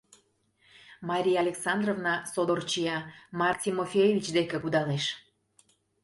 Мария Александровна содор чия, Марк Тимофеевич деке кудалеш.